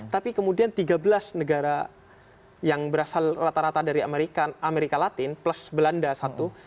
tapi kemudian tiga belas negara yang berasal rata rata dari amerika amerika latin plus belanda satu